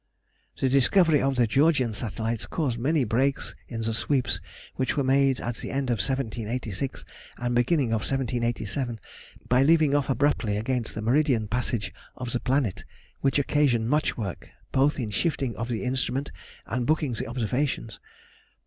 The discovery of the Georgian satellites caused many breaks in the sweeps which were made at the end of 1786 and beginning of 1787, by leaving off abruptly against the meridian passage of the planet, which occasioned much work, both in shifting of the instrument and booking the observations.